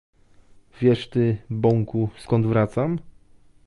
"Wiesz ty, bąku, skąd wracam?"